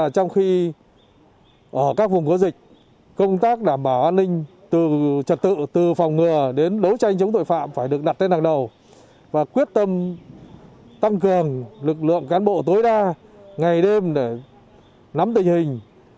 công tác phòng chống dịch bệnh phải được đặt trên đằng đầu và quyết tâm tăng cường lực lượng cán bộ tối đa ngày đêm để nắm tình hình